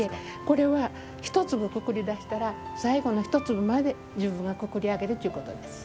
これは１粒くくりだしたら最後の１粒まで自分がくくり上げるということです。